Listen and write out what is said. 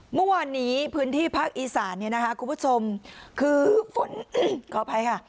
เมื่อวานนี้พื้นที่ภาคอีสานเนี่ยนะคะคุณผู้ชมคือฝนขออภัยค่ะ